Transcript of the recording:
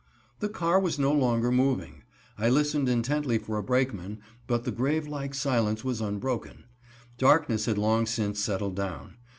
The car was no longer moving. I listened intently for a brakeman, but the grave like silence was unbroken. Darkness had long since settled down.